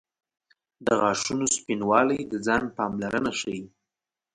• د غاښونو سپینوالی د ځان پاملرنه ښيي.